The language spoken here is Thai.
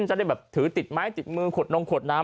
จะได้แบบถือติดไม้ติดมือขวดนมขวดน้ำ